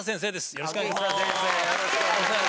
よろしくお願いします。